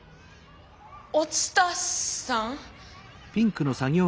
お伝さん？